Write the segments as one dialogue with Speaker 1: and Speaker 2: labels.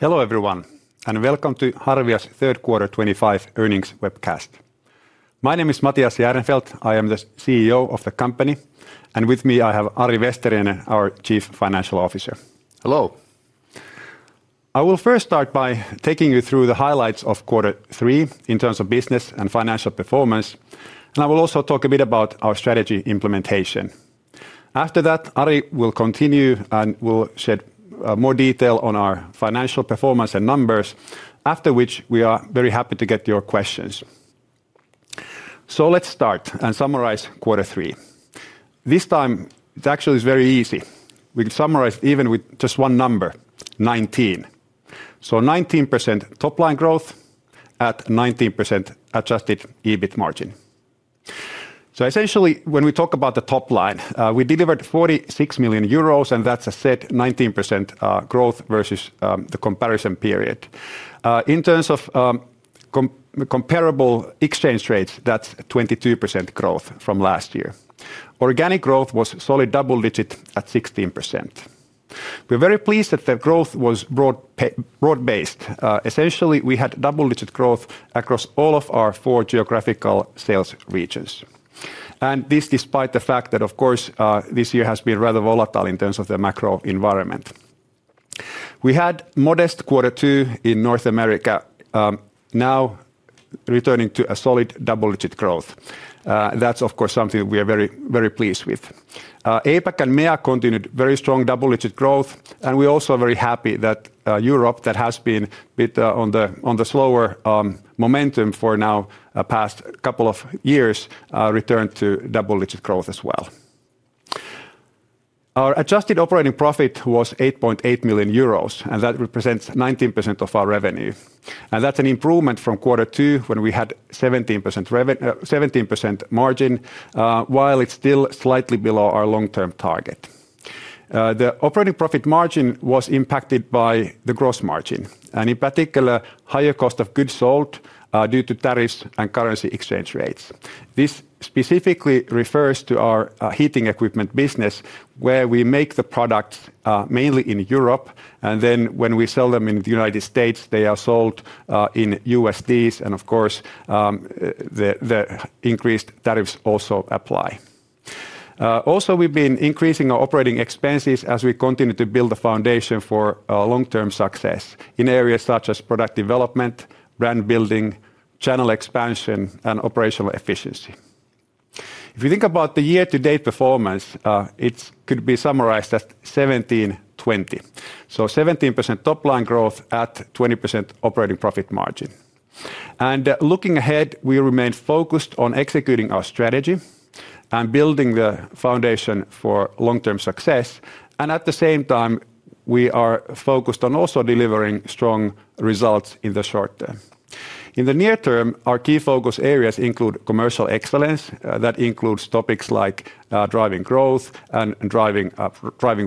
Speaker 1: Hello everyone, and welcome to Harvia's third quarter 2025 earnings webcast. My name is Matias Järnefelt. I am the CEO of the company, and with me I have Ari Vesterinen, our Chief Financial Officer.
Speaker 2: Hello.
Speaker 1: I will first start by taking you through the highlights of quarter three in terms of business and financial performance, and I will also talk a bit about our strategy implementation. After that, Ari will continue and will shed more detail on our financial performance and numbers, after which we are very happy to get your questions. Let's start and summarize quarter three. This time, it actually is very easy. We can summarize it even with just one number, 19. So 19% top-line growth at 19% adjusted EBIT margin. Essentially, when we talk about the top-line, we delivered 46 million euros, and that's a set 19% growth versus the comparison period. In terms of comparable exchange rates, that's 22% growth from last year. Organic growth was solid double-digit at 16%. We're very pleased that the growth was broad-based. Essentially, we had double-digit growth across all of our four geographical sales regions. This is despite the fact that, of course, this year has been rather volatile in terms of the macro environment. We had a modest quarter two in North America. Now, returning to a solid double-digit growth. That is, of course, something we are very, very pleased with. APAC and MEA continued very strong double-digit growth, and we are also very happy that Europe, that has been a bit on the slower momentum for the past couple of years, returned to double-digit growth as well. Our adjusted operating profit was 8.8 million euros, and that represents 19% of our revenue. That is an improvement from quarter two when we had 17% margin, while it is still slightly below our long-term target. The operating profit margin was impacted by the gross margin, and in particular, higher cost of goods sold due to tariffs and currency exchange rates. This specifically refers to our heating equipment business, where we make the products mainly in Europe, and then when we sell them in the United States, they are sold in USD, and of course. The increased tariffs also apply. Also, we've been increasing our operating expenses as we continue to build a foundation for long-term success in areas such as product development, brand building, channel expansion, and operational efficiency. If you think about the year-to-date performance, it could be summarized as 17%, 20%. So 17% top-line growth at 20% operating profit margin. Looking ahead, we remain focused on executing our strategy and building the foundation for long-term success, and at the same time, we are focused on also delivering strong results in the short term. In the near term, our key focus areas include commercial excellence. That includes topics like driving growth and driving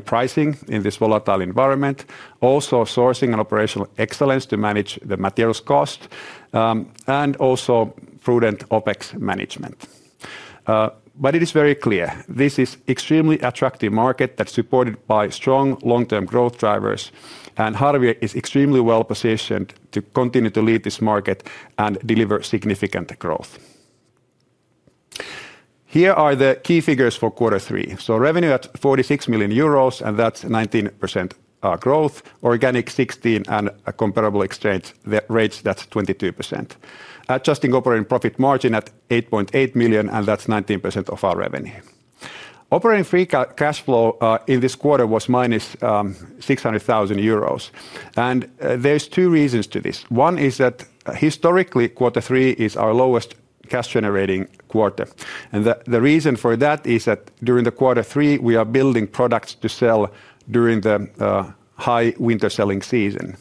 Speaker 1: pricing in this volatile environment, also sourcing and operational excellence to manage the materials cost. Also prudent OpEx management. It is very clear, this is an extremely attractive market that is supported by strong long-term growth drivers, and Harvia is extremely well positioned to continue to lead this market and deliver significant growth. Here are the key figures for quarter three. Revenue at 46 million euros, and that is 19% growth. Organic 16% and comparable exchange rates, that is 22%. Adjusting operating profit margin at 8.8 million, and that is 19% of our revenue. Operating free cash flow in this quarter was minus 600,000 euros, and there are two reasons to this. One is that historically, quarter three is our lowest cash-generating quarter, and the reason for that is that during quarter three, we are building products to sell during the high winter selling season.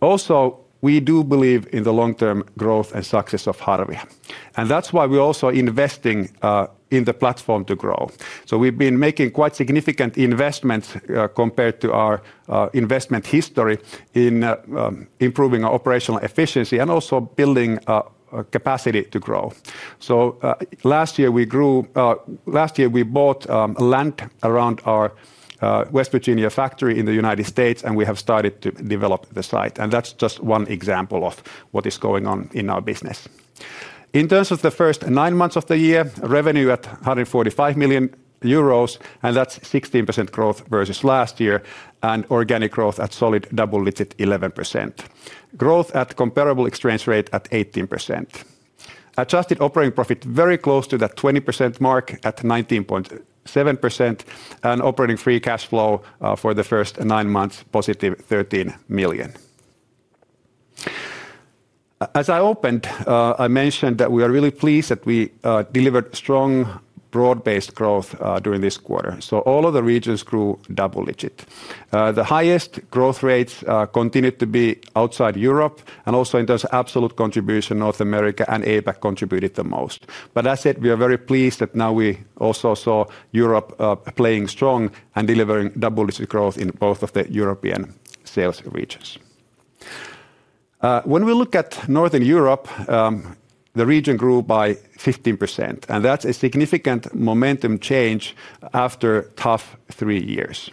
Speaker 1: Also, we do believe in the long-term growth and success of Harvia, and that's why we're also investing in the platform to grow. We have been making quite significant investments compared to our investment history in improving our operational efficiency and also building capacity to grow. Last year we grew, last year we bought land around our West Virginia factory in the United States, and we have started to develop the site, and that's just one example of what is going on in our business. In terms of the first nine months of the year, revenue at 145 million euros, and that's 16% growth versus last year, and organic growth at solid double-digit 11%. Growth at comparable exchange rate at 18%. Adjusted operating profit very close to that 20% mark at 19.7%, and operating free cash flow for the first nine months positive 13 million. As I opened, I mentioned that we are really pleased that we delivered strong broad-based growth during this quarter. All of the regions grew double-digit. The highest growth rates continued to be outside Europe, and also in terms of absolute contribution, North America and APAC contributed the most. As said, we are very pleased that now we also saw Europe playing strong and delivering double-digit growth in both of the European sales regions. When we look at Northern Europe, the region grew by 15%, and that's a significant momentum change after tough three years.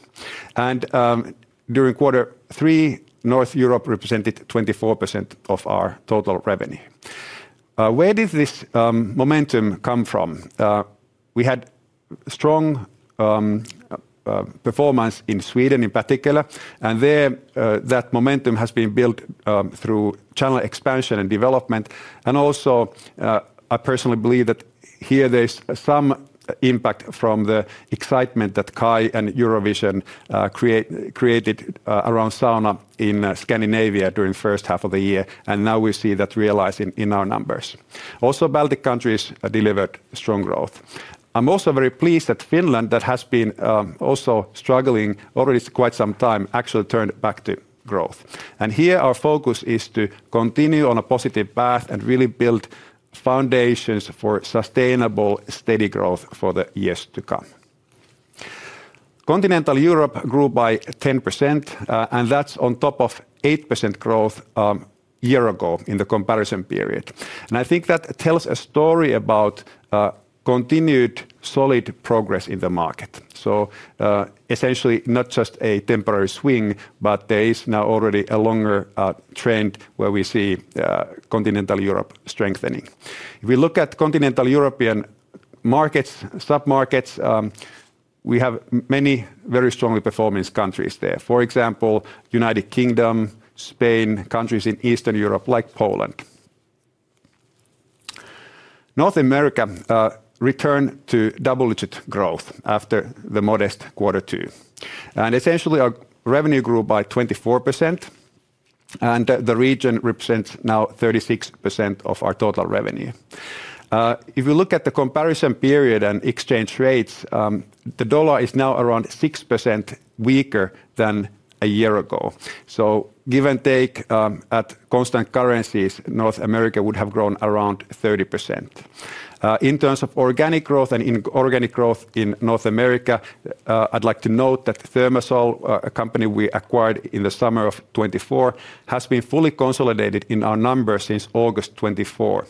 Speaker 1: During Quarter Three, Northern Europe represented 24% of our total revenue. Where did this momentum come from? We had strong performance in Sweden in particular, and there that momentum has been built through channel expansion and development. Also, I personally believe that here there's some impact from the excitement that KAI and Eurovision created around sauna in Scandinavia during the first half of the year, and now we see that realizing in our numbers. Also, Baltic countries delivered strong growth. I'm also very pleased that Finland, that has been also struggling already quite some time, actually turned back to growth. Here our focus is to continue on a positive path and really build foundations for sustainable steady growth for the years to come. Continental Europe grew by 10%, and that's on top of 8% growth a year ago in the comparison period. I think that tells a story about continued solid progress in the market. Essentially not just a temporary swing, but there is now already a longer trend where we see Continental Europe strengthening. If we look at Continental European markets, sub-markets. We have many very strongly performing countries there. For example, United Kingdom, Spain, countries in Eastern Europe like Poland. North America. Returned to double-digit growth after the modest quarter two. Essentially our revenue grew by 24%. The region represents now 36% of our total revenue. If we look at the comparison period and exchange rates, the dollar is now around 6% weaker than a year ago. Give and take at constant currencies, North America would have grown around 30%. In terms of organic growth and inorganic growth in North America, I'd like to note that ThermaSol, a company we acquired in the summer of 2024, has been fully consolidated in our numbers since August 2024.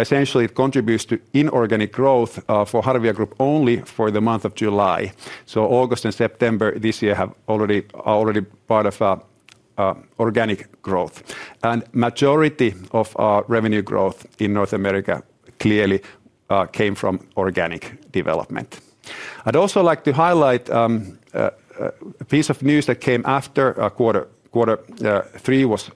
Speaker 1: Essentially, it contributes to inorganic growth for Harvia Group only for the month of July. August and September this year are already part of organic growth. The majority of our revenue growth in North America clearly came from organic development. I'd also like to highlight a piece of news that came after quarter three was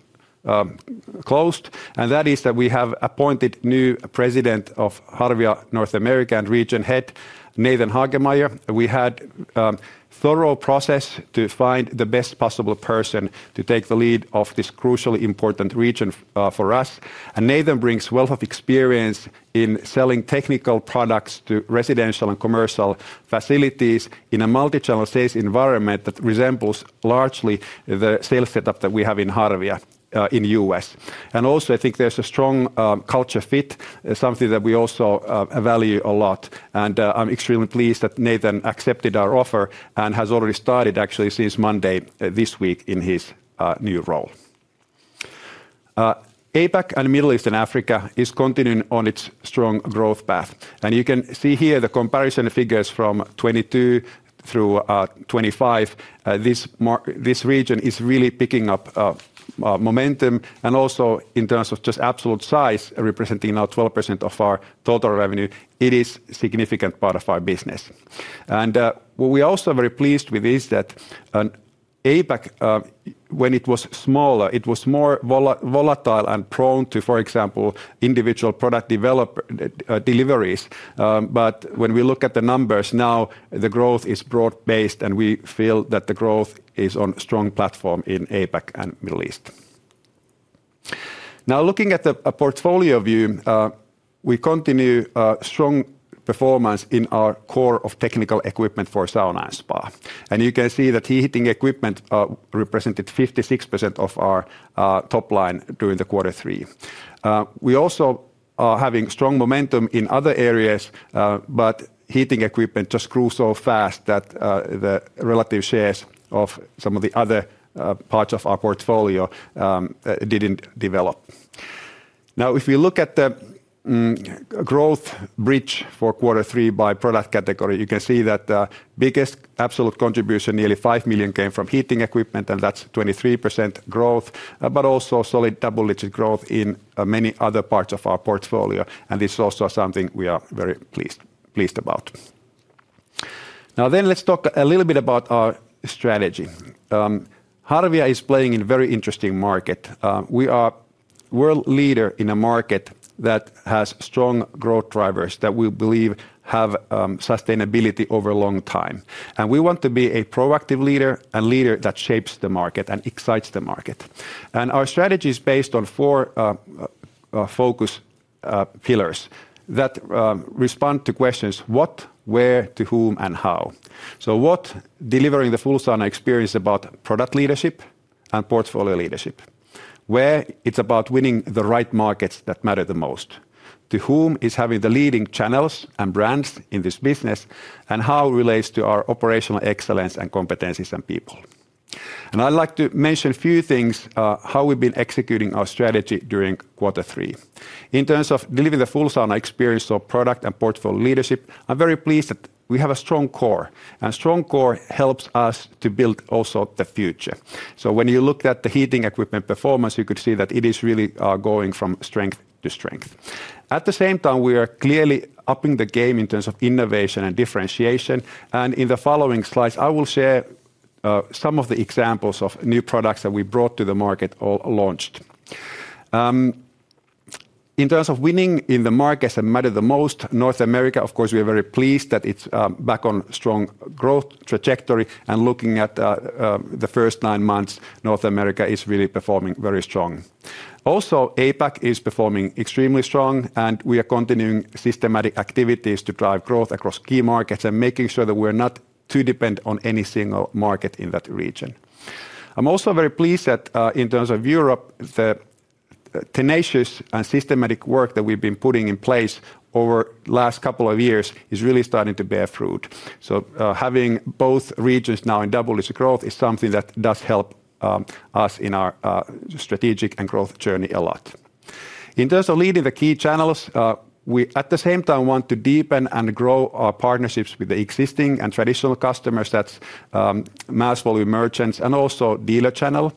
Speaker 1: closed, and that is that we have appointed a new President of Harvia North America and region head, Nathan Hagemaier. We had a thorough process to find the best possible person to take the lead of this crucially important region for us. Nathan brings a wealth of experience in selling technical products to residential and commercial facilities in a multi-channel sales environment that resembles largely the sales setup that we have in Harvia in the U.S. I think there is a strong culture fit, something that we also value a lot, and I am extremely pleased that Nathan accepted our offer and has already started actually since Monday this week in his new role. APAC and Middle East and Africa is continuing on its strong growth path, and you can see here the comparison figures from 2022 through 2025. This region is really picking up momentum, and also in terms of just absolute size, representing now 12% of our total revenue, it is a significant part of our business. What we are also very pleased with is that APAC, when it was smaller, was more volatile and prone to, for example, individual product deliveries. When we look at the numbers now, the growth is broad-based, and we feel that the growth is on a strong platform in APAC and Middle East. Now looking at the portfolio view, we continue strong performance in our core of technical equipment for sauna and spa. You can see that heating equipment represented 56% of our top-line during quarter three. We also are having strong momentum in other areas, but heating equipment just grew so fast that the relative shares of some of the other parts of our portfolio did not develop. Now if we look at the growth bridge for quarter three by product category, you can see that the biggest absolute contribution, nearly 5 million, came from heating equipment, and that's 23% growth, but also solid double-digit growth in many other parts of our portfolio. This is also something we are very pleased about. Now let's talk a little bit about our strategy. Harvia is playing in a very interesting market. We are. World leaders in a market that has strong growth drivers that we believe have sustainability over a long time. We want to be a proactive leader and a leader that shapes the market and excites the market. Our strategy is based on four focus pillars that respond to questions: what, where, to whom, and how. What is delivering the full sauna experience about product leadership and portfolio leadership. Where is about winning the right markets that matter the most. To whom is having the leading channels and brands in this business, and how it relates to our operational excellence and competencies and people. I would like to mention a few things about how we have been executing our strategy during quarter three. In terms of delivering the full sauna experience or product and portfolio leadership, I'm very pleased that we have a strong core, and a strong core helps us to build also the future. When you look at the heating equipment performance, you could see that it is really going from strength to strength. At the same time, we are clearly upping the game in terms of innovation and differentiation. In the following slides, I will share some of the examples of new products that we brought to the market or launched. In terms of winning in the markets that matter the most, North America, of course, we are very pleased that it's back on a strong growth trajectory. Looking at the first nine months, North America is really performing very strong. Also, APAC is performing extremely strong, and we are continuing systematic activities to drive growth across key markets and making sure that we are not too dependent on any single market in that region. I'm also very pleased that in terms of Europe, the tenacious and systematic work that we've been putting in place over the last couple of years is really starting to bear fruit. Having both regions now in double-digit growth is something that does help us in our strategic and growth journey a lot. In terms of leading the key channels, we at the same time want to deepen and grow our partnerships with the existing and traditional customers. That's mass volume merchants and also dealer channel.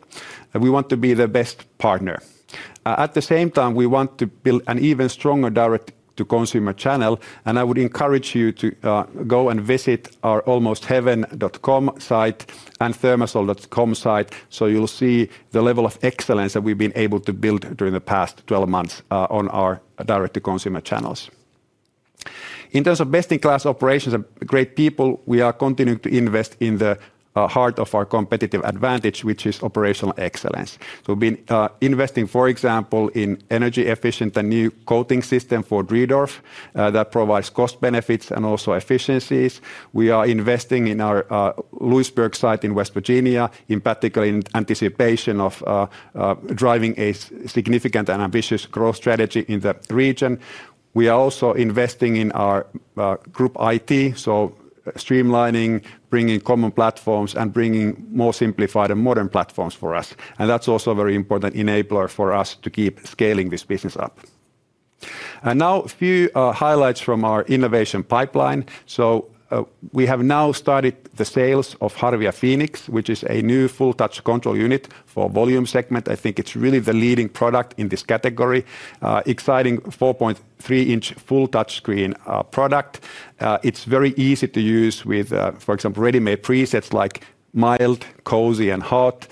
Speaker 1: We want to be the best partner. At the same time, we want to build an even stronger direct-to-consumer channel, and I would encourage you to go and visit our almostheaven.com site and thermasol.com site. You will see the level of excellence that we have been able to build during the past 12 months on our direct-to-consumer channels. In terms of best-in-class operations and great people, we are continuing to invest in the heart of our competitive advantage, which is operational excellence. We have been investing, for example, in energy-efficient and new coating system for Troisdorf that provides cost benefits and also efficiencies. We are investing in our Louisburg site in West Virginia, in particular in anticipation of driving a significant and ambitious growth strategy in the region. We are also investing in our group IT, streamlining, bringing common platforms, and bringing more simplified and modern platforms for us. That's also a very important enabler for us to keep scaling this business up. Now a few highlights from our innovation pipeline. We have now started the sales of Harvia Phoenix, which is a new full touch control unit for the volume segment. I think it's really the leading product in this category. Exciting 4.3-inch full touchscreen product. It's very easy to use with, for example, ready-made presets like mild, cozy, and hot.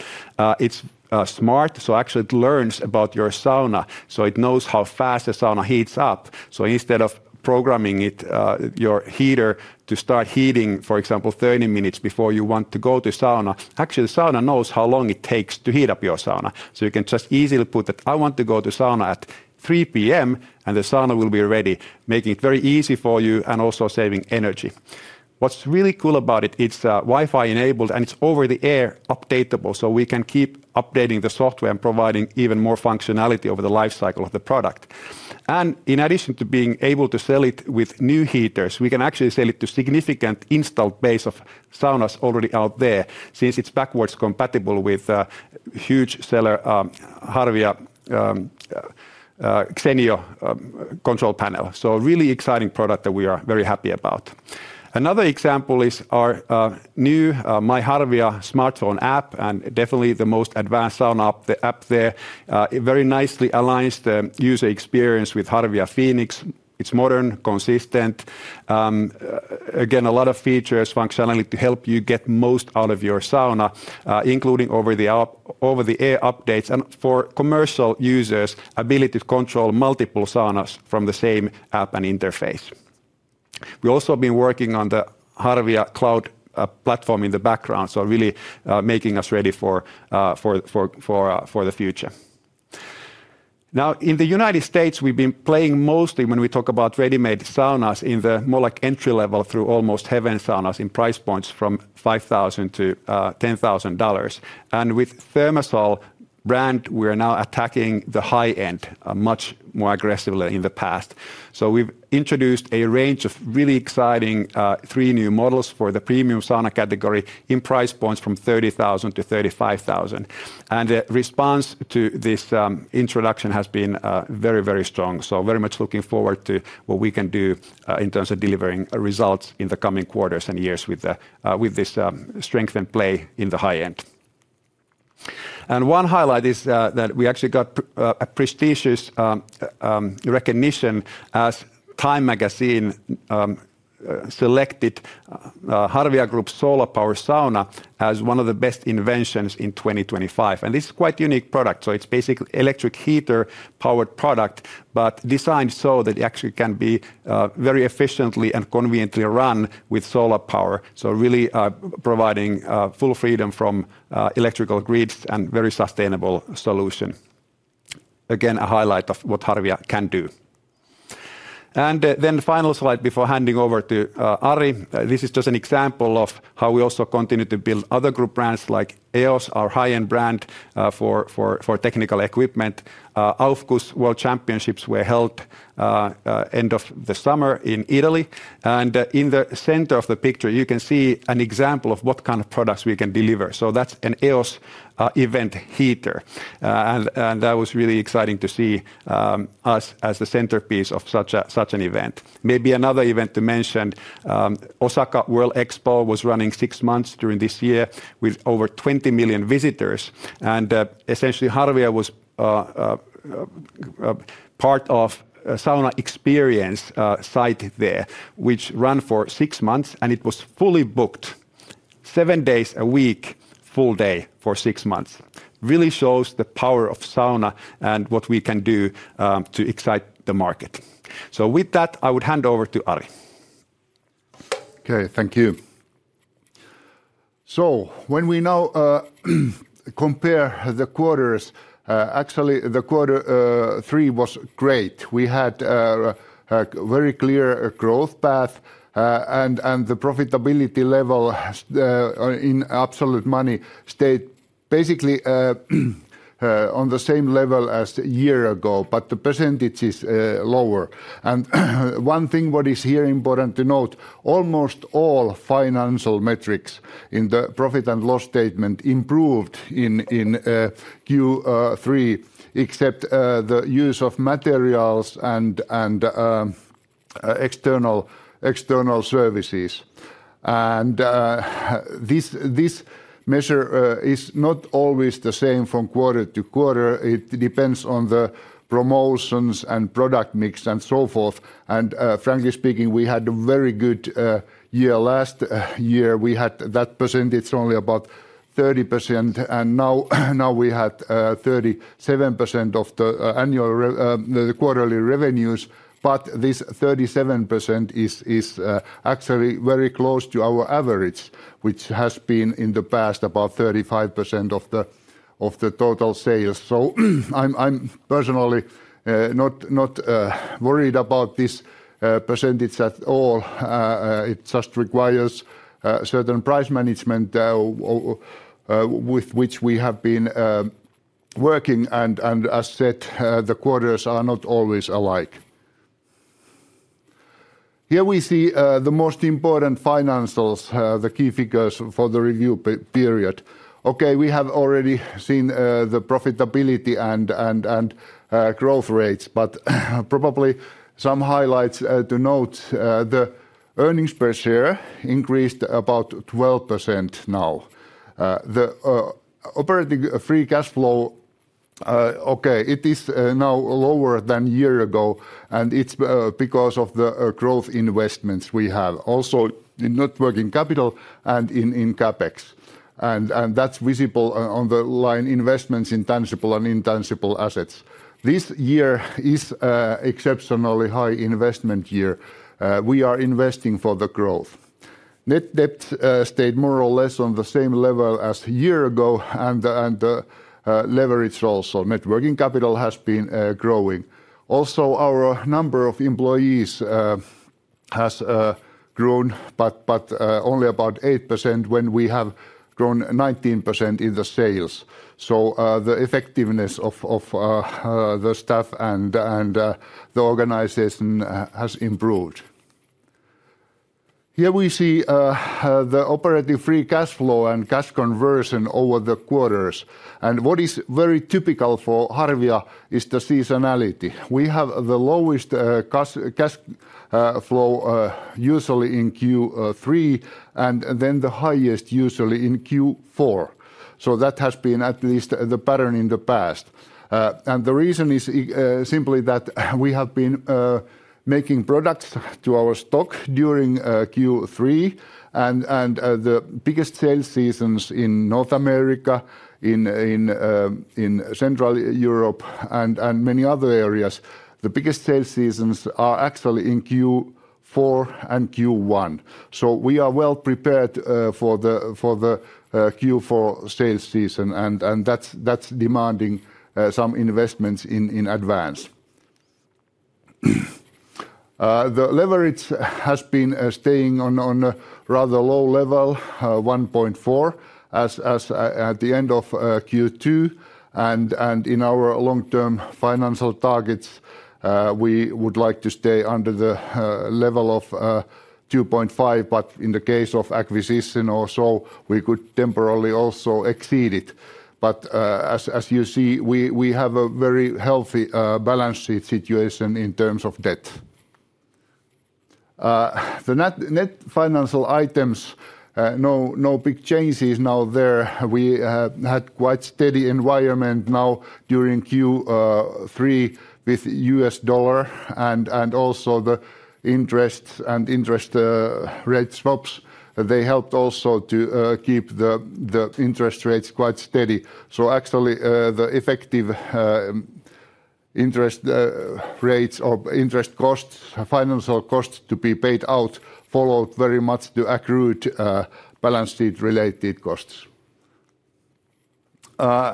Speaker 1: It's smart, so actually it learns about your sauna, so it knows how fast the sauna heats up. Instead of programming your heater to start heating, for example, 30 minutes before you want to go to sauna, actually the sauna knows how long it takes to heat up your sauna. You can just easily put that you want to go to sauna at 3:00 PM, and the sauna will be ready, making it very easy for you and also saving energy. What's really cool about it, it's Wi-Fi-enabled and it's over-the-air updatable, so we can keep updating the software and providing even more functionality over the lifecycle of the product. In addition to being able to sell it with new heaters, we can actually sell it to a significant install base of saunas already out there since it's backwards compatible with huge seller Harvia Xenio control panel. A really exciting product that we are very happy about. Another example is our new MyHarvia smartphone app and definitely the most advanced sauna app there. It very nicely aligns the user experience with Harvia Phoenix. It's modern, consistent. Again, a lot of features functionally to help you get most out of your sauna, including over-the-air updates and for commercial users' ability to control multiple saunas from the same app and interface. We've also been working on the Harvia cloud platform in the background, so really making us ready for the future. Now in the United States, we've been playing mostly when we talk about ready-made saunas in the more like entry-level through Almost Heaven Saunas in price points from $5,000-$10,000. With ThermaSol brand, we are now attacking the high-end much more aggressively than in the past. We've introduced a range of really exciting three new models for the premium sauna category in price points from $30,000-$35,000. The response to this introduction has been very, very strong. Very much looking forward to what we can do in terms of delivering results in the coming quarters and years with this strengthened play in the high-end. One highlight is that we actually got a prestigious recognition as Time Magazine selected Harvia Group's solar power sauna as one of the best inventions in 2025. This is quite a unique product. It is basically an electric heater-powered product, but designed so that it actually can be very efficiently and conveniently run with solar power. Really providing full freedom from electrical grids and a very sustainable solution. Again, a highlight of what Harvia can do. The final slide before handing over to Ari. This is just an example of how we also continue to build other group brands like EOS, our high-end brand for technical equipment. AUFKUS World Championships were held. End of the summer in Italy. In the center of the picture, you can see an example of what kind of products we can deliver. That is an EOS event heater. That was really exciting to see us as the centerpiece of such an event. Maybe another event to mention. Osaka World Expo was running six months during this year with over 20 million visitors. Essentially, Harvia was part of a sauna experience site there, which ran for six months, and it was fully booked seven days a week, full day for six months. That really shows the power of sauna and what we can do to excite the market. With that, I would hand over to Ari.
Speaker 2: Okay, thank you. When we now compare the quarters, actually the quarter three was great. We had a very clear growth path, and the profitability level. In absolute money, it stayed basically on the same level as a year ago, but the percentage is lower. One thing that is important to note here, almost all financial metrics in the profit and loss statement improved in Q3, except the use of materials and external services. This measure is not always the same from quarter-to-quarter. It depends on the promotions and product mix and so forth. Frankly speaking, we had a very good year last year. We had that percentage only about 30%, and now we had 37% of the annual quarterly revenues. This 37% is actually very close to our average, which has been in the past about 35% of the total sales. I am personally not worried about this percentage at all. It just requires certain price management, which we have been working on. As said, the quarters are not always alike. Here we see the most important financials, the key figures for the review period. Okay, we have already seen the profitability and growth rates, but probably some highlights to note. The earnings per share increased about 12% now. The operating free cash flow is now lower than a year ago, and it's because of the growth investments we have, also in networking capital and in CapEx. That is visible on the line investments in tangible and intangible assets. This year is an exceptionally high investment year. We are investing for the growth. Net debt stayed more or less on the same level as a year ago, and the leverage also. Networking capital has been growing. Also, our number of employees has grown, but only about 8% when we have grown 19% in the sales. The effectiveness of the staff and the organization has improved. Here we see the operating free cash flow and cash conversion over the quarters. What is very typical for Harvia is the seasonality. We have the lowest cash flow usually in Q3 and then the highest usually in Q4. That has been at least the pattern in the past. The reason is simply that we have been making products to our stock during Q3. The biggest sales seasons in North America, in Central Europe, and many other areas, the biggest sales seasons are actually in Q4 and Q1. We are well prepared for the Q4 sales season, and that's demanding some investments in advance. The leverage has been staying on a rather low level, 1.4, as at the end of Q2. In our long-term financial targets, we would like to stay under the level of. 2.5, but in the case of acquisition or so, we could temporarily also exceed it. As you see, we have a very healthy balance sheet situation in terms of debt. The net financial items, no big changes now there. We had quite a steady environment now during Q3 with US dollar and also the interest and interest rate swaps. They helped also to keep the interest rates quite steady. Actually, the effective interest rates of interest costs, financial costs to be paid out, followed very much the accrued balance sheet related costs.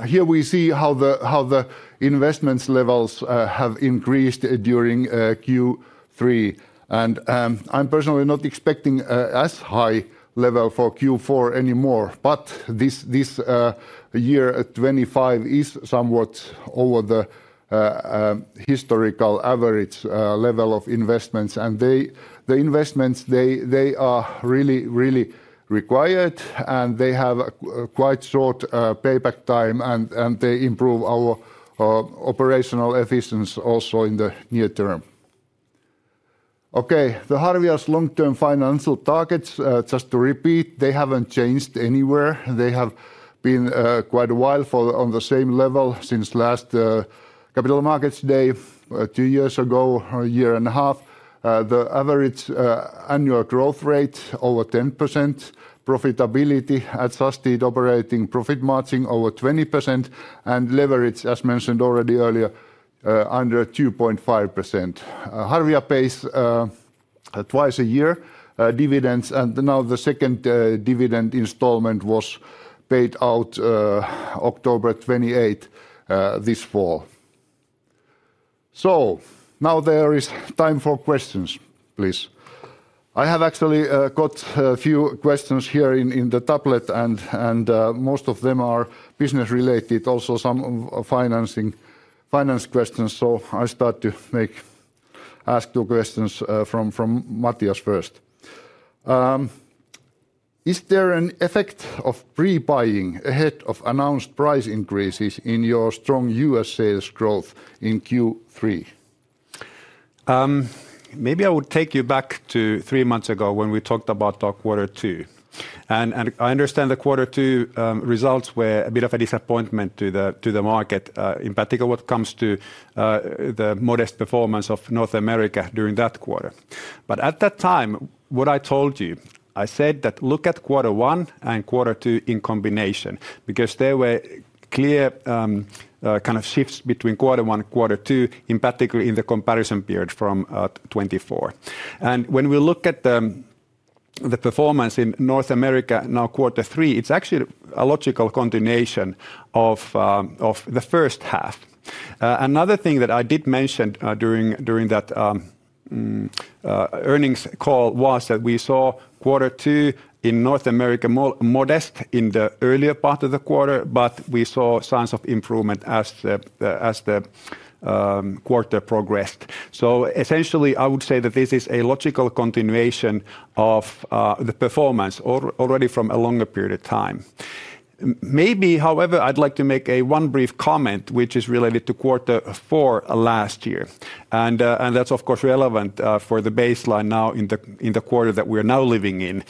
Speaker 2: Here we see how the investment levels have increased during Q3. I'm personally not expecting as high level for Q4 anymore, but this year 2025 is somewhat over the historical average level of investments. The investments, they are really, really required, and they have quite short payback time, and they improve our operational efficiency also in the near term. Harvia's long-term financial targets, just to repeat, they have not changed anywhere. They have been quite a while on the same level since last Capital Markets Day two years ago, a year and a half. The average annual growth rate over 10%, profitability at sustained operating profit margin over 20%, and leverage, as mentioned already earlier, under 2.5%. Harvia pays twice a year dividends, and now the second dividend installment was paid out October 28 this fall. Now there is time for questions, please. I have actually got a few questions here in the tablet, and most of them are business related, also some finance questions. I start to make, ask the questions from Matias first. Is there an effect of pre-buying ahead of announced price increases in your strong U.S. sales growth in Q3?
Speaker 1: Maybe I would take you back to three months ago when we talked about quarter two. I understand the quarter two results were a bit of a disappointment to the market, in particular what comes to the modest performance of North America during that quarter. At that time, what I told you, I said that look at quarter one and quarter two in combination, because there were clear kind of shifts between quarter one and quarter two, in particular in the comparison period from 2024. When we look at the performance in North America now, quarter three, it's actually a logical continuation of the first half. Another thing that I did mention during that earnings call was that we saw quarter two in North America modest in the earlier part of the quarter, but we saw signs of improvement as the quarter progressed. Essentially, I would say that this is a logical continuation of the performance already from a longer period of time. Maybe, however, I'd like to make one brief comment, which is related to quarter four last year. That is of course relevant for the baseline now in the quarter that we are now living in,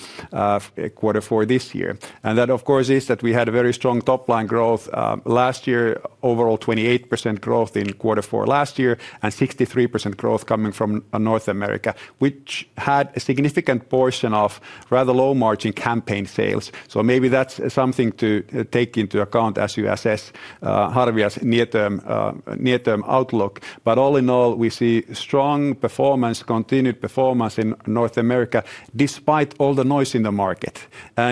Speaker 1: quarter four this year. That of course is that we had a very strong top line growth last year, overall 28% growth in quarter four last year, and 63% growth coming from North America, which had a significant portion of rather low margin campaign sales. Maybe that's something to take into account as you assess Harvia's near-term outlook. All in all, we see strong performance, continued performance in North America despite all the noise in the market.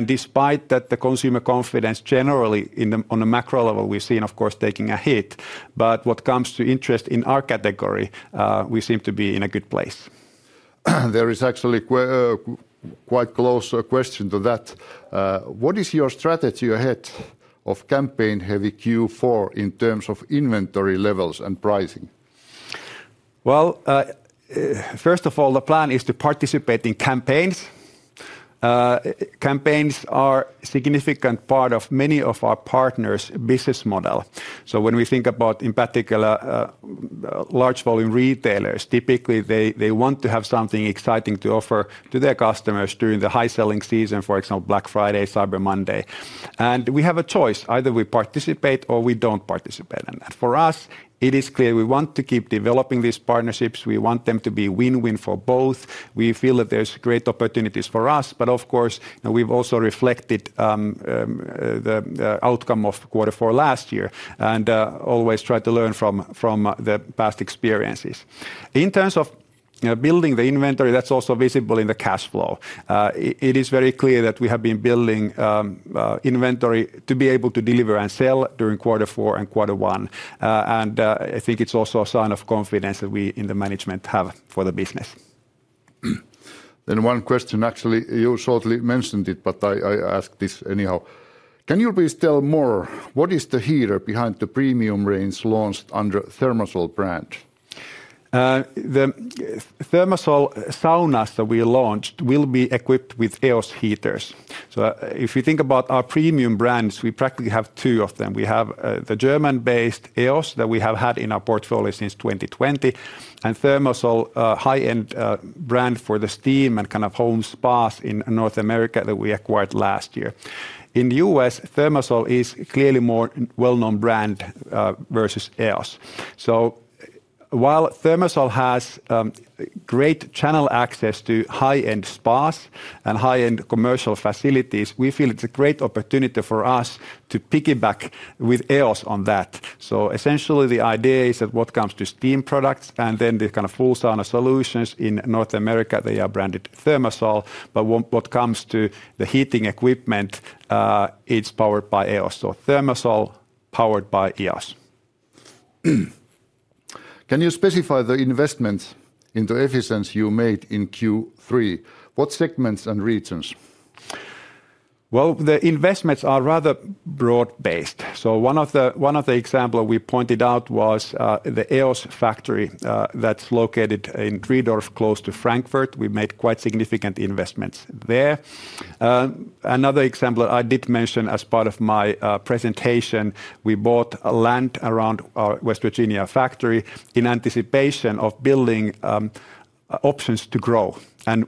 Speaker 1: Despite that, the consumer confidence generally on the macro level we've seen, of course, taking a hit. What comes to interest in our category, we seem to be in a good place.
Speaker 2: There is actually quite a close question to that. What is your strategy ahead of campaign heavy Q4 in terms of inventory levels and pricing?
Speaker 1: First of all, the plan is to participate in campaigns. Campaigns are a significant part of many of our partners' business model. When we think about, in particular, large volume retailers, typically they want to have something exciting to offer to their customers during the high selling season, for example, Black Friday, Cyber Monday. We have a choice. Either we participate or we do not participate in that. For us, it is clear we want to keep developing these partnerships. We want them to be win-win for both. We feel that there's great opportunities for us. Of course, we've also reflected the outcome of quarter four last year and always try to learn from the past experiences. In terms of building the inventory, that's also visible in the cash flow. It is very clear that we have been building inventory to be able to deliver and sell during quarter four and quarter one. I think it's also a sign of confidence that we in the management have for the business.
Speaker 2: One question, actually. You shortly mentioned it, but I ask this anyhow. Can you please tell more? What is the here behind the premium range launched under ThermaSol brand?
Speaker 1: The ThermaSol saunas that we launched will be equipped with EOS heaters. If you think about our premium brands, we practically have two of them. We have the German-based EOS that we have had in our portfolio since 2020, and ThermaSol, a high-end brand for the steam and kind of home spas in North America that we acquired last year. In the U.S., ThermaSol is clearly a more well-known brand versus EOS. While ThermaSol has great channel access to high-end spas and high-end commercial facilities, we feel it's a great opportunity for us to piggyback with EOS on that. Essentially the idea is that what comes to steam products and then the kind of full sauna solutions in North America, they are branded ThermaSol. What comes to the heating equipment is powered by EOS. So, ThermaSol powered by EOS. Can you specify the investments into efficiency you made in Q3? What segments and regions? The investments are rather broad-based. One of the examples we pointed out was the EOS factory that is located in Tridorf, close to Frankfurt. We made quite significant investments there. Another example I did mention as part of my presentation, we bought land around our West Virginia factory in anticipation of building. Options to grow.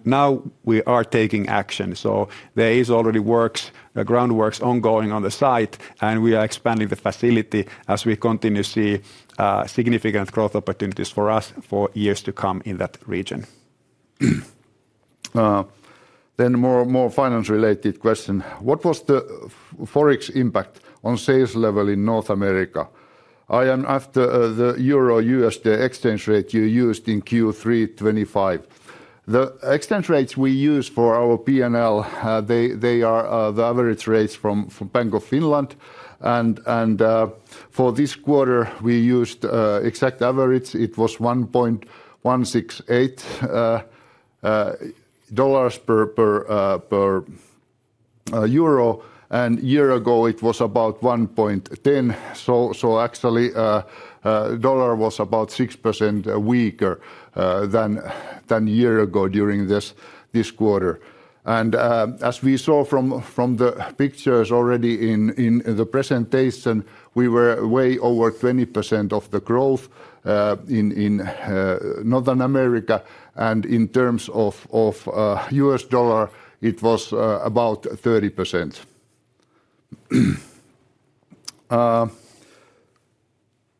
Speaker 1: Now we are taking action. There is already groundwork ongoing on the site, and we are expanding the facility as we continue to see significant growth opportunities for us for years to come in that region.
Speaker 2: More finance-related question. What was the forex impact on sales level in North America? I am after the EUR-USD exchange rate you used in Q3 2025. The exchange rates we use for our P&L, they are the average rates from Bank of Finland. For this quarter, we used exact average. It was $1.168 per euro, and a year ago it was about $1.10. Actually, the dollar was about 6% weaker than a year ago during this quarter. As we saw from the pictures already in the presentation, we were way over 20% of the growth in North America. In terms of U.S. dollar, it was about 30%.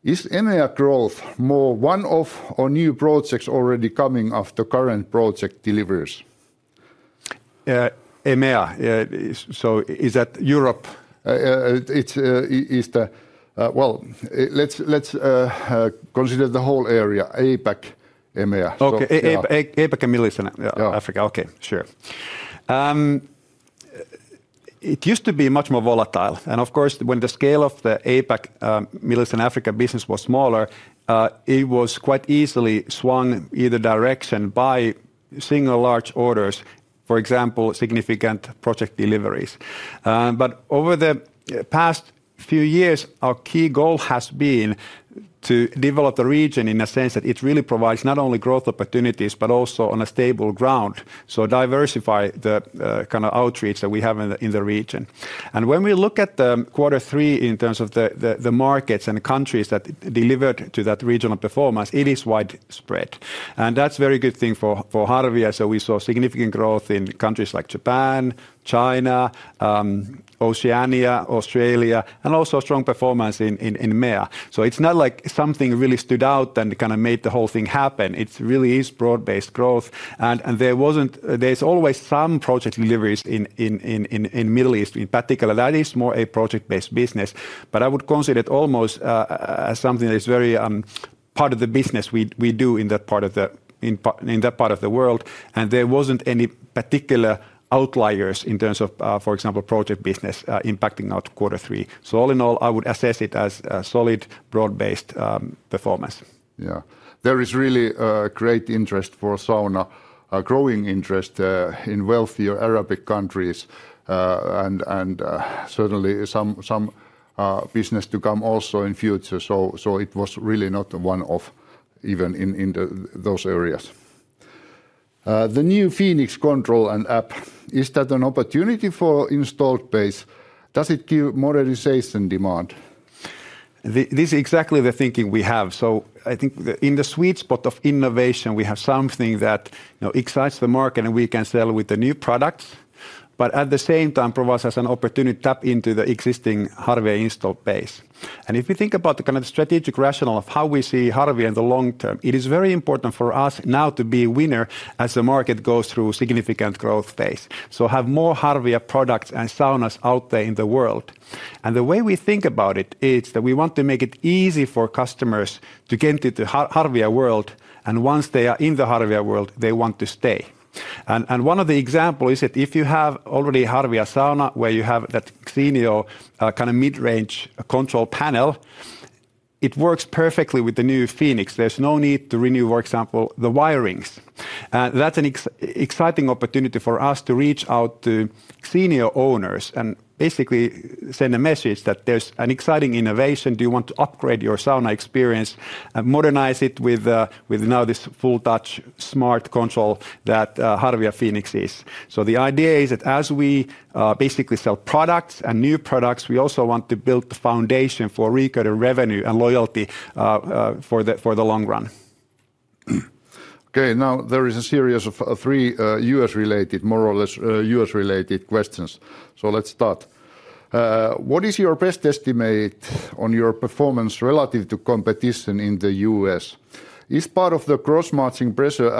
Speaker 2: Is EMEA growth more one-off or new projects already coming after current project deliveries? EMEA, so is that Europe? Let's consider the whole area, APAC, EMEA.
Speaker 1: Okay, APAC and Middle East and Africa, okay, sure. It used to be much more volatile. Of course, when the scale of the APAC, Middle East and Africa business was smaller, it was quite easily swung either direction by single large orders, for example, significant project deliveries. Over the past few years, our key goal has been to develop the region in a sense that it really provides not only growth opportunities but also on a stable ground. We diversify the kind of outreach that we have in the region. When we look at quarter three in terms of the markets and countries that delivered to that regional performance, it is widespread. That is a very good thing for Harvia. We saw significant growth in countries like Japan, China, Oceania, Australia, and also strong performance in EMEA. It is not like something really stood out and kind of made the whole thing happen. It really is broad-based growth. There are always some project deliveries in the Middle East, in particular. That is more a project-based business. I would consider it almost. Something that is very part of the business we do in that part of the world. There were not any particular outliers in terms of, for example, project business impacting our quarter three. All in all, I would assess it as a solid broad-based performance.
Speaker 2: Yeah, there is really a great interest for sauna, growing interest in wealthier Arabic countries. Certainly some business to come also in the future. It was really not one-off even in those areas. The new Phoenix control and app, is that an opportunity for installed base? Does it give modernization demand?
Speaker 1: This is exactly the thinking we have. I think in the sweet spot of innovation, we have something that excites the market and we can sell with the new products. At the same time, it provides us an opportunity to tap into the existing Harvia installed base. If we think about the kind of strategic rationale of how we see Harvia in the long term, it is very important for us now to be a winner as the market goes through a significant growth phase. We want to have more Harvia products and saunas out there in the world. The way we think about it is that we want to make it easy for customers to get into the Harvia world. Once they are in the Harvia world, they want to stay. One of the examples is that if you have already a Harvia sauna where you have that Xenio kind of mid-range control panel, it works perfectly with the new Phoenix. There is no need to renew, for example, the wirings. That is an exciting opportunity for us to reach out to Xenio owners and basically send a message that there is an exciting innovation. Do you want to upgrade your sauna experience and modernize it with now this full touch smart control that Harvia Phoenix is? The idea is that as we basically sell products and new products, we also want to build the foundation for recurring revenue and loyalty for the long run.
Speaker 2: Okay, now there is a series of three U.S.-related, more or less U.S.-related questions. Let's start. What is your best estimate on your performance relative to competition in the U.S.? Is part of the cross-marching pressure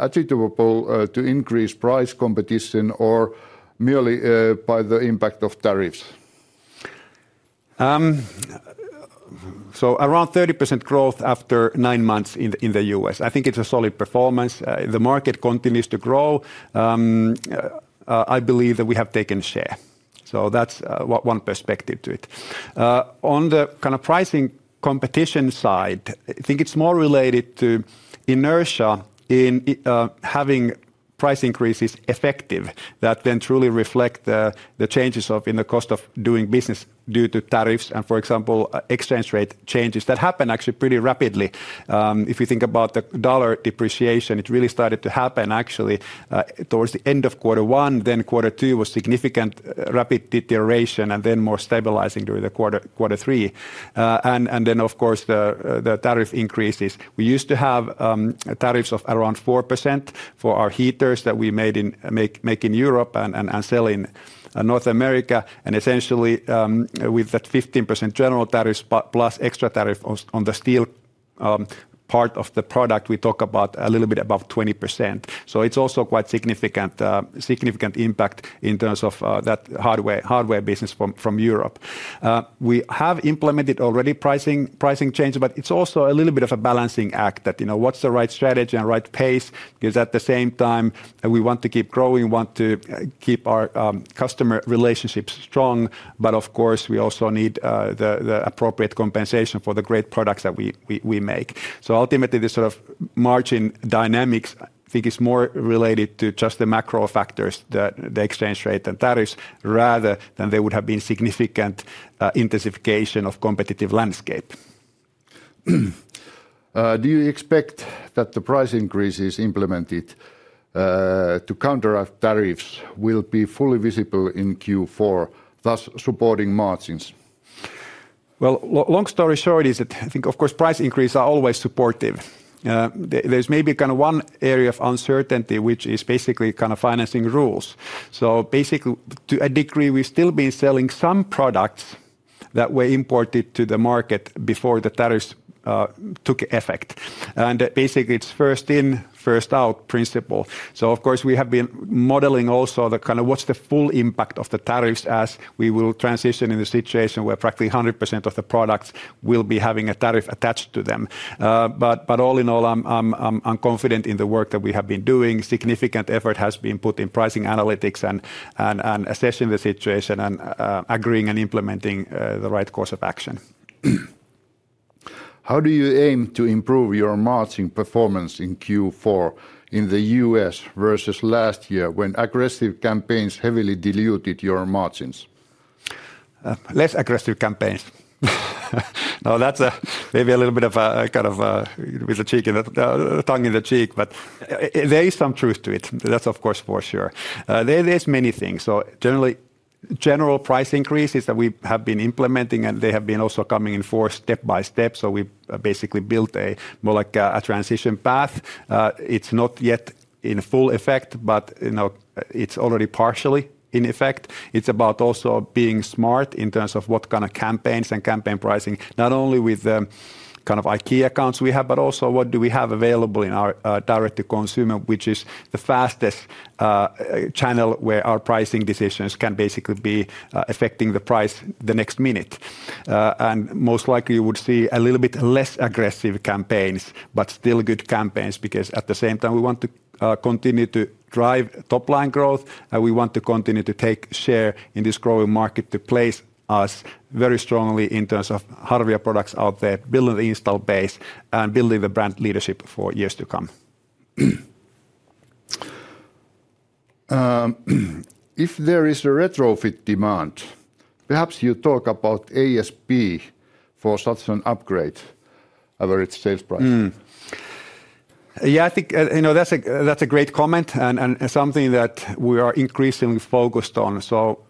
Speaker 2: attributable to increased price competition or merely by the impact of tariffs?
Speaker 1: Around 30% growth after nine months in the U.S. I think it's a solid performance. The market continues to grow. I believe that we have taken share. That's one perspective to it. On the kind of pricing competition side, I think it's more related to inertia in having price increases effective that then truly reflect the changes in the cost of doing business due to tariffs and, for example, exchange rate changes that happen actually pretty rapidly. If you think about the dollar depreciation, it really started to happen actually towards the end of quarter one. Quarter two was significant rapid deterioration and then more stabilizing during quarter three. Of course, the tariff increases. We used to have tariffs of around 4% for our heaters that we made in Europe and sell in North America. Essentially, with that 15% general tariff plus extra tariff on the steel part of the product, we talk about a little bit about 20%. It's also quite a significant impact in terms of that hardware business from Europe. We have implemented already pricing changes, but it's also a little bit of a balancing act that what's the right strategy and right pace? Because at the same time, we want to keep growing, want to keep our customer relationships strong. Of course, we also need the appropriate compensation for the great products that we make. Ultimately, the sort of margin dynamics, I think, is more related to just the macro factors, the exchange rate and tariffs, rather than there would have been significant intensification of competitive landscape.
Speaker 2: Do you expect that the price increases implemented to counteract tariffs will be fully visible in Q4, thus supporting margins?
Speaker 1: Long story short is that I think, of course, price increases are always supportive. There's maybe kind of one area of uncertainty, which is basically kind of financing rules. Basically, to a degree, we've still been selling some products that were imported to the market before the tariffs took effect. It's first in, first out principle. Of course, we have been modeling also the kind of what's the full impact of the tariffs as we will transition in the situation where practically 100% of the products will be having a tariff attached to them. All in all, I'm confident in the work that we have been doing. Significant effort has been put in pricing analytics and assessing the situation and agreeing and implementing the right course of action.
Speaker 2: How do you aim to improve your margin performance in Q4 in the U.S. versus last year when aggressive campaigns heavily diluted your margins?
Speaker 1: Less aggressive campaigns. No, that's maybe a little bit of a kind of with the tongue in the cheek, but there is some truth to it. That's, of course, for sure. There's many things. Generally, general price increases that we have been implementing, and they have been also coming in force step by step. We basically built a more like a transition path. It's not yet in full effect, but it's already partially in effect. It's about also being smart in terms of what kind of campaigns and campaign pricing, not only with the kind of IKEA accounts we have, but also what do we have available in our direct-to-consumer, which is the fastest channel where our pricing decisions can basically be affecting the price the next minute. Most likely, you would see a little bit less aggressive campaigns, but still good campaigns because at the same time, we want to continue to drive top-line growth. We want to continue to take share in this growing market to place us very strongly in terms of Harvia products out there, building the install base and building the brand leadership for years to come.
Speaker 2: If there is a retrofit demand, perhaps you talk about ASP for such an upgrade. Average sales price.
Speaker 1: Yeah, I think that's a great comment and something that we are increasingly focused on.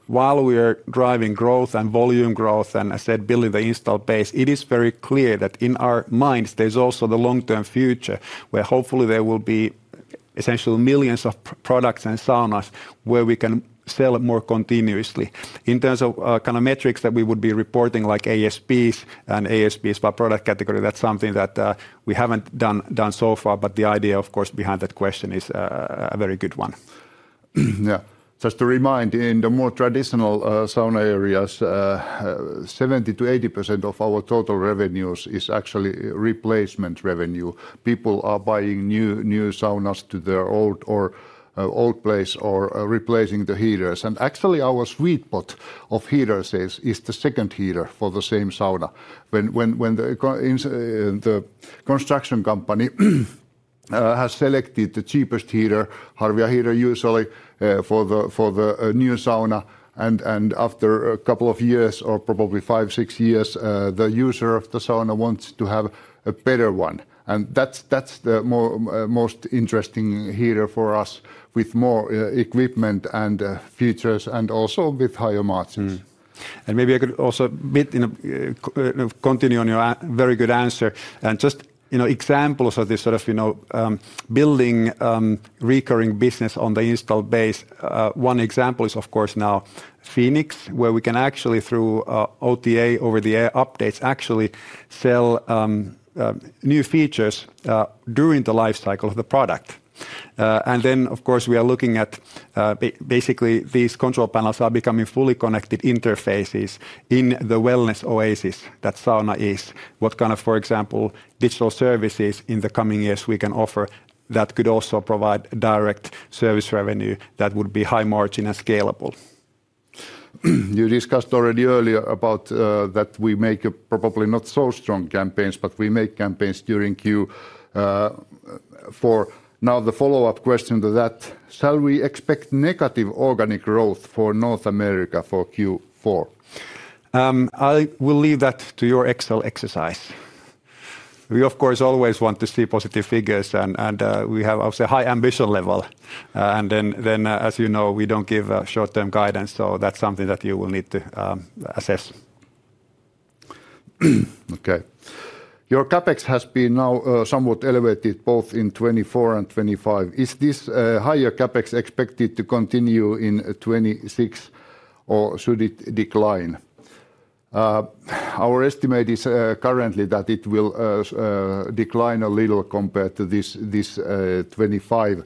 Speaker 1: While we are driving growth and volume growth and, as I said, building the install base, it is very clear that in our minds, there's also the long-term future where hopefully there will be essentially millions of products and saunas where we can sell more continuously. In terms of kind of metrics that we would be reporting, like ASPs and ASPs by product category, that's something that we haven't done so far. The idea, of course, behind that question is a very good one.
Speaker 2: Yeah, just to remind, in the more traditional sauna areas, 70%-80% of our total revenues is actually replacement revenue. People are buying new saunas to their old place or replacing the heaters. Actually, our sweet spot of heaters is the second heater for the same sauna. When the construction company has selected the cheapest heater, Harvia heater usually for the new sauna, and after a couple of years or probably five, six years, the user of the sauna wants to have a better one. That's the most interesting heater for us with more equipment and features and also with higher margins.
Speaker 1: Maybe I could also continue on your very good answer. Just examples of this sort of building recurring business on the install base. One example is, of course, now Phoenix, where we can actually, through OTA over-the-air updates, actually sell new features during the lifecycle of the product. Of course, we are looking at basically these control panels are becoming fully connected interfaces in the wellness oasis that sauna is. What kind of, for example, digital services in the coming years we can offer that could also provide direct service revenue that would be high margin and scalable.
Speaker 2: You discussed already earlier about that we make probably not so strong campaigns, but we make campaigns during Q4. Now the follow-up question to that, shall we expect negative organic growth for North America for Q4?
Speaker 1: I will leave that to your Excel exercise. We, of course, always want to see positive figures, and we have a high ambition level. As you know, we do not give short-term guidance. That is something that you will need to assess.
Speaker 2: Okay. Your CapEx has been now somewhat elevated both in 2024 and 2025. Is this higher CapEx expected to continue in 2026, or should it decline? Our estimate is currently that it will decline a little compared to this 2025.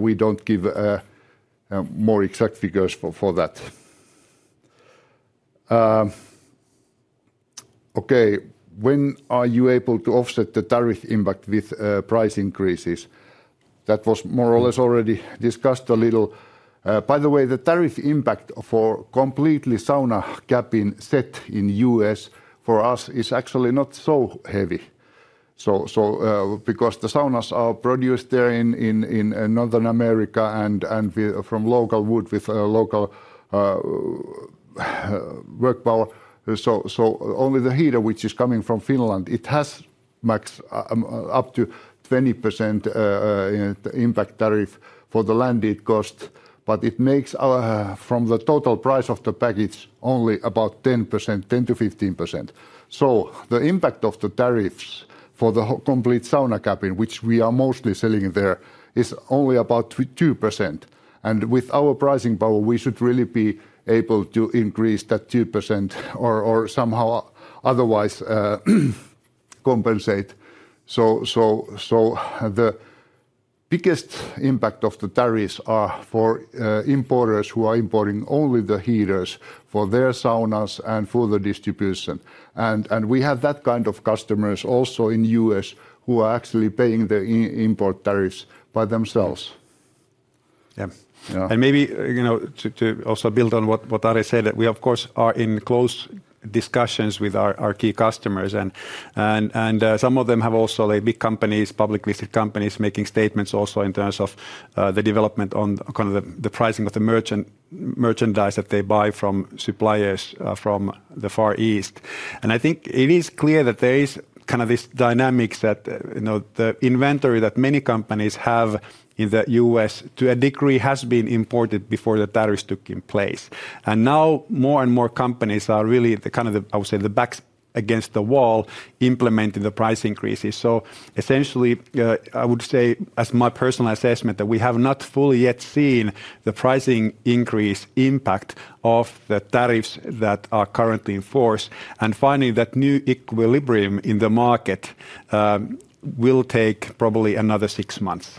Speaker 2: We do not give more exact figures for that. Okay, when are you able to offset the tariff impact with price increases? That was more or less already discussed a little. By the way, the tariff impact for completely sauna capping set in the U.S. for us is actually not so heavy because the saunas are produced there in North America and from local wood with local work power. Only the heater, which is coming from Finland, has max up to 20% impact tariff for the landed cost. It makes from the total price of the package only about 10%-15%. The impact of the tariffs for the complete sauna capping, which we are mostly selling there, is only about 2%. With our pricing power, we should really be able to increase that 2% or somehow otherwise compensate. The biggest impact of the tariffs is for importers who are importing only the heaters for their saunas and for the distribution. We have that kind of customers also in the U.S. who are actually paying the import tariffs by themselves.
Speaker 1: Yeah. Maybe to also build on what Ari said, we, of course, are in close discussions with our key customers. Some of them have also big companies, publicly listed companies, making statements also in terms of the development on kind of the pricing of the merchandise that they buy from suppliers from the Far East. I think it is clear that there is kind of this dynamic that the inventory that many companies have in the U.S., to a degree, has been imported before the tariffs took in place. Now more and more companies are really the kind of, I would say, the backs against the wall, implementing the price increases. Essentially, I would say, as my personal assessment, that we have not fully yet seen the pricing increase impact of the tariffs that are currently in force. Finally, that new equilibrium in the market will take probably another six months.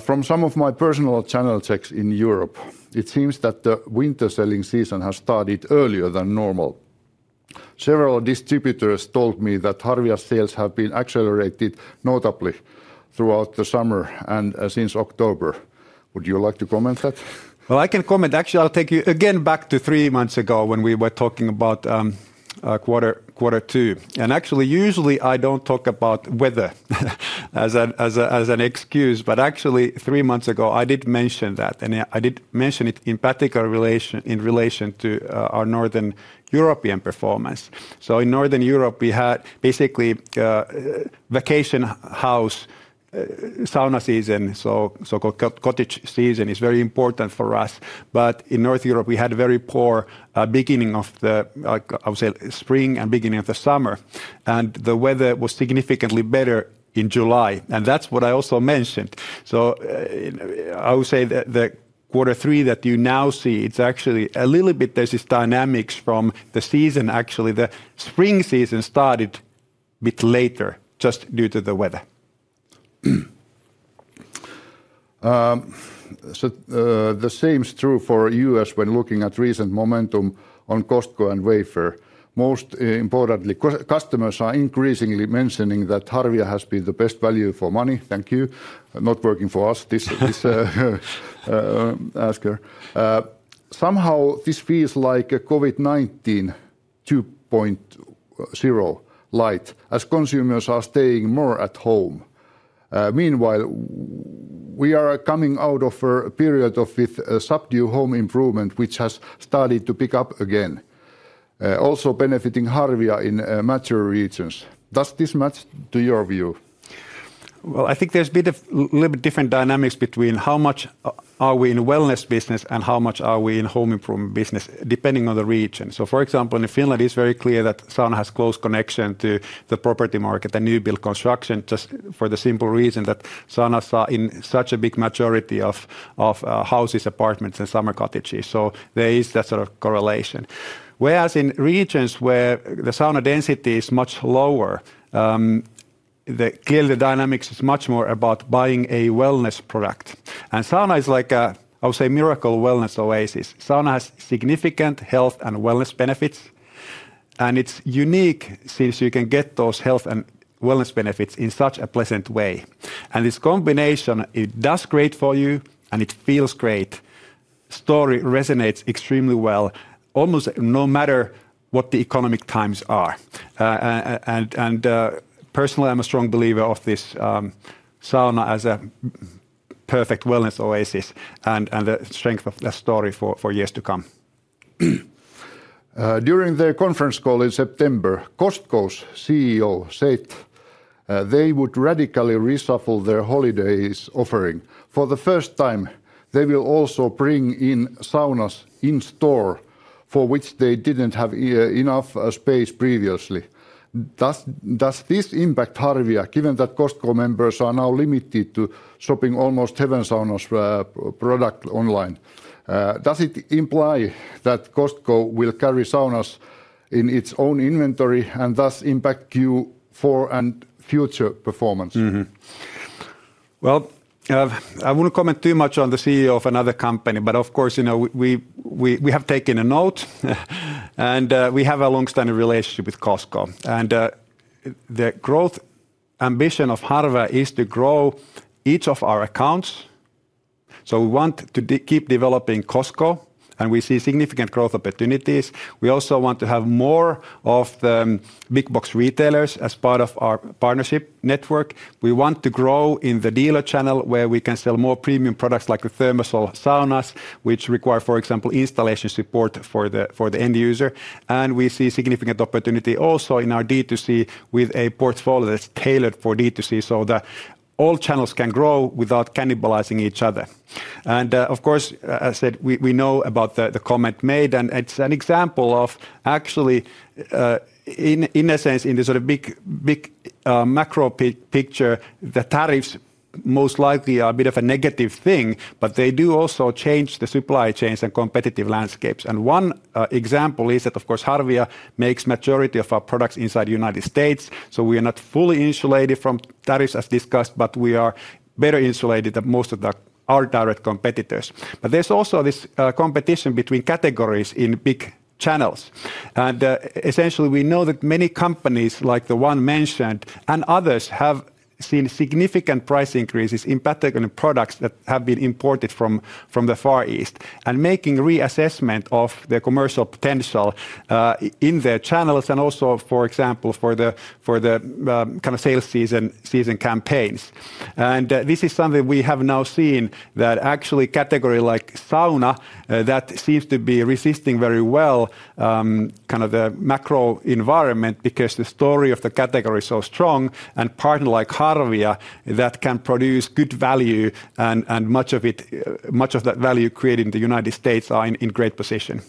Speaker 2: From some of my personal channel checks in Europe, it seems that the winter selling season has started earlier than normal. Several distributors told me that Harvia sales have been accelerated notably throughout the summer and since October. Would you like to comment on that?
Speaker 1: I can comment. Actually, I'll take you again back to three months ago when we were talking about quarter two. Actually, usually I do not talk about weather as an excuse, but three months ago I did mention that. I did mention it in particular in relation to our Northern European performance. In Northern Europe, we had basically vacation house sauna season, so-called cottage season, which is very important for us. In North Europe, we had a very poor beginning of the spring and beginning of the summer, and the weather was significantly better in July. That is what I also mentioned. I would say that the quarter three that you now see, it's actually a little bit, there's this dynamics from the season. Actually, the spring season started a bit later just due to the weather.
Speaker 2: The same is true for the U.S. when looking at recent momentum on Costco and Wayfair. Most importantly, customers are increasingly mentioning that Harvia has been the best value for money. Thank you. Not working for us, this. Asker. Somehow this feels like COVID-19 2.0 light, as consumers are staying more at home. Meanwhile, we are coming out of a period of subdued home improvement, which has started to pick up again. Also benefiting Harvia in mature regions. Does this match to your view?
Speaker 1: I think there's a bit of a little bit different dynamics between how much are we in wellness business and how much are we in home improvement business, depending on the region. For example, in Finland, it's very clear that sauna has close connection to the property market and new build construction, just for the simple reason that sauna is in such a big majority of houses, apartments, and summer cottages. There is that sort of correlation. Whereas in regions where the sauna density is much lower, clearly, the dynamics is much more about buying a wellness product. Sauna is like a, I would say, miracle wellness oasis. Sauna has significant health and wellness benefits. It's unique since you can get those health and wellness benefits in such a pleasant way. This combination, it does great for you, and it feels great. Story resonates extremely well, almost no matter what the economic times are. Personally, I'm a strong believer of this. Sauna as a perfect wellness oasis and the strength of the story for years to come.
Speaker 2: During their conference call in September, Costco's CEO said they would radically reshuffle their holidays offering. For the first time, they will also bring in saunas in store for which they did not have enough space previously. Does this impact Harvia, given that Costco members are now limited to shopping Almost Heaven Saunas product online? Does it imply that Costco will carry saunas in its own inventory and thus impact Q4 and future performance?
Speaker 1: I will not comment too much on the CEO of another company, but of course, we have taken a note. We have a long-standing relationship with Costco. The growth ambition of Harvia is to grow each of our accounts. We want to keep developing Costco, and we see significant growth opportunities. We also want to have more of the big box retailers as part of our partnership network. We want to grow in the dealer channel where we can sell more premium products like the thermal saunas, which require, for example, installation support for the end user. We see significant opportunity also in our D2C with a portfolio that's tailored for D2C so that all channels can grow without cannibalizing each other. Of course, as I said, we know about the comment made, and it's an example of actually. In essence, in the sort of big macro picture, the tariffs most likely are a bit of a negative thing, but they do also change the supply chains and competitive landscapes. One example is that, of course, Harvia makes the majority of our products inside the United States. We are not fully insulated from tariffs as discussed, but we are better insulated than most of our direct competitors. There is also this competition between categories in big channels. Essentially, we know that many companies, like the one mentioned, and others have seen significant price increases in category products that have been imported from the Far East and are making reassessment of their commercial potential in their channels and also, for example, for the kind of sales season campaigns. This is something we have now seen, that actually a category like sauna seems to be resisting very well. Kind of the macro environment because the story of the category is so strong and a partner like Harvia that can produce good value and much of that value created in the United States are in great position.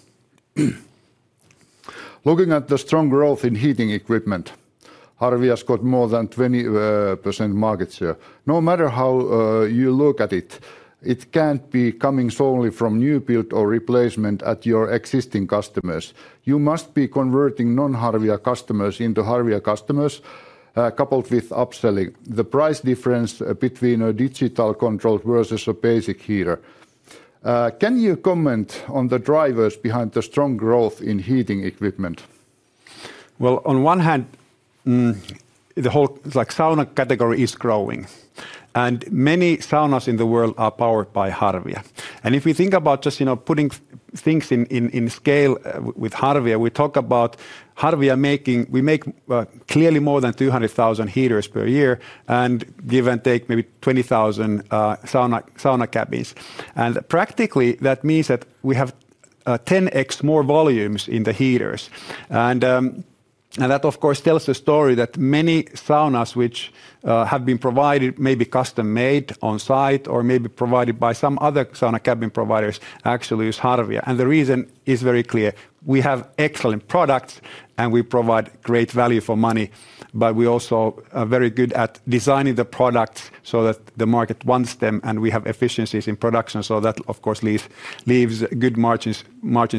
Speaker 2: Looking at the strong growth in heating equipment, Harvia has got more than 20% market share. No matter how you look at it, it can't be coming solely from new build or replacement at your existing customers. You must be converting non-Harvia customers into Harvia customers coupled with upselling. The price difference between a digital controlled versus a basic heater. Can you comment on the drivers behind the strong growth in heating equipment?
Speaker 1: On one hand, the whole sauna category is growing. And many saunas in the world are powered by Harvia. If we think about just putting things in scale with Harvia, we talk about Harvia making, we make clearly more than 200,000 heaters per year and give and take maybe 20,000 sauna cabins. Practically, that means that we have 10x more volumes in the heaters. That, of course, tells the story that many saunas which have been provided maybe custom made on site or maybe provided by some other sauna cabin providers actually use Harvia. The reason is very clear. We have excellent products and we provide great value for money, but we are also very good at designing the products so that the market wants them and we have efficiencies in production. That, of course, leaves good margins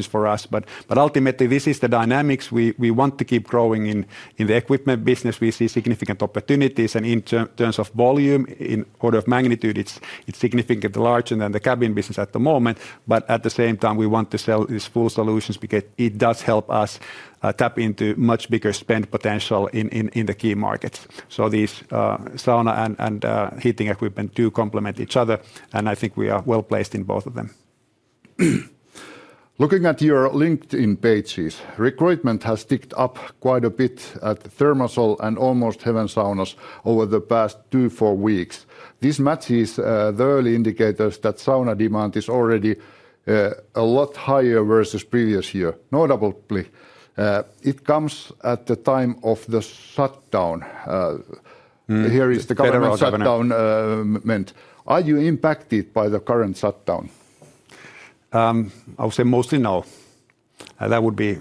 Speaker 1: for us. Ultimately, this is the dynamics we want to keep growing in the equipment business. We see significant opportunities and in terms of volume, in order of magnitude, it's significantly larger than the cabin business at the moment. At the same time, we want to sell these full solutions because it does help us tap into much bigger spend potential in the key markets. These sauna and heating equipment do complement each other, and I think we are well placed in both of them.
Speaker 2: Looking at your LinkedIn pages, recruitment has ticked up quite a bit at ThermaSol and Almost Heaven Saunas over the past two to four weeks. This matches the early indicators that sauna demand is already a lot higher versus previous year, notably. It comes at the time of the shutdown. Here is the current shutdown meant. Are you impacted by the current shutdown?
Speaker 1: I would say mostly no. That would be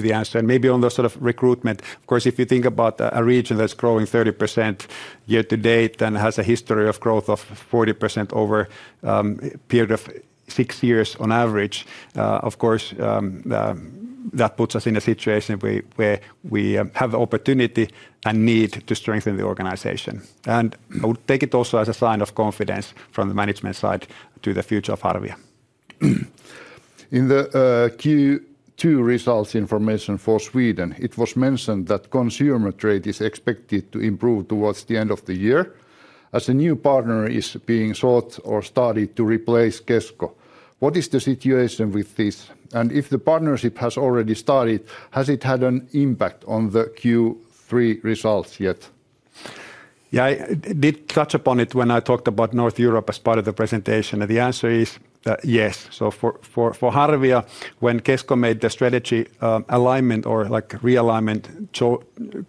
Speaker 1: the answer. Maybe on the sort of recruitment, of course, if you think about a region that's growing 30% year to date and has a history of growth of 40% over a period of six years on average, of course, that puts us in a situation where we have the opportunity and need to strengthen the organization. I would take it also as a sign of confidence from the management side to the future of Harvia.
Speaker 2: In the Q2 results information for Sweden, it was mentioned that consumer trade is expected to improve towards the end of the year as a new partner is being sought or studied to replace Kesko. What is the situation with this? If the partnership has already started, has it had an impact on the Q3 results yet?
Speaker 1: Yeah, I did touch upon it when I talked about North Europe as part of the presentation. The answer is yes. For Harvia, when Kesko made the strategy alignment or realignment,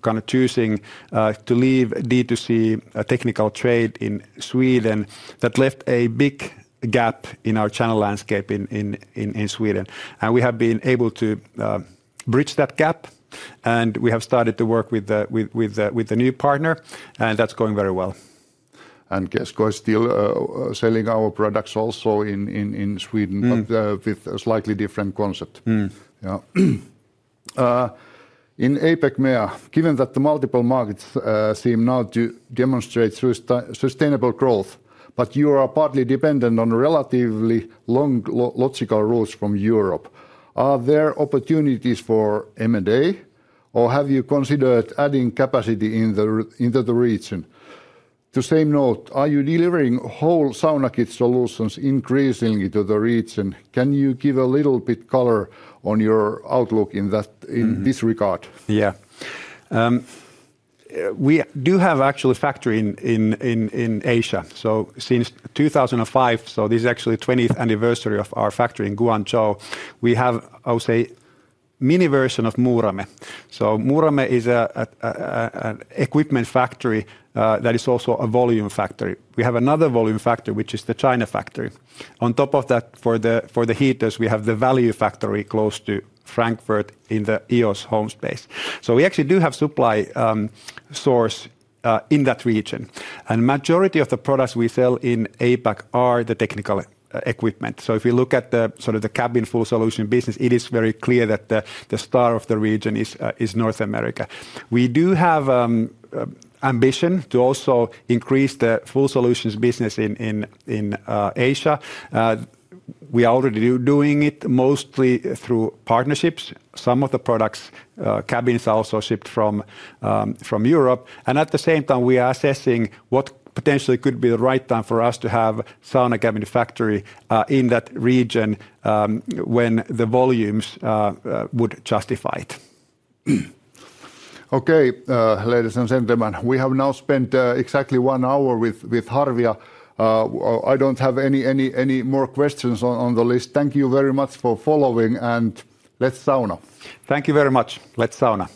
Speaker 1: kind of choosing to leave D2C technical trade in Sweden, that left a big gap in our channel landscape in Sweden. We have been able to bridge that gap, and we have started to work with a new partner, and that's going very well.
Speaker 2: Kesko is still selling our products also in Sweden, but with a slightly different concept. In APAC MEA, given that the multiple markets seem now to demonstrate sustainable growth, but you are partly dependent on relatively long logistical routes from Europe, are there opportunities for M&A or have you considered adding capacity into the region? To the same note, are you delivering whole sauna kit solutions increasingly to the region? Can you give a little bit color on your outlook in this regard?
Speaker 1: Yeah. We do have actually a factory in Asia. So since 2005, this is actually the 20th anniversary of our factory in Guangzhou. We have, I would say, a mini version of Murame. Murame is an equipment factory that is also a volume factory. We have another volume factory, which is the China factory. On top of that, for the heaters, we have the value factory close to Frankfurt in the EOS home space. We actually do have a supply source in that region. The majority of the products we sell in APAC are the technical equipment. If we look at the sort of the cabin full solution business, it is very clear that the star of the region is North America. We do have ambition to also increase the full solutions business in Asia. We are already doing it mostly through partnerships. Some of the products' cabins are also shipped from Europe. At the same time, we are assessing what potentially could be the right time for us to have a sauna cabin factory in that region when the volumes would justify it.
Speaker 2: Okay, ladies and gentlemen, we have now spent exactly one hour with Harvia. I do not have any more questions on the list. Thank you very much for following, and let's sauna.
Speaker 1: Thank you very much. Let's sauna.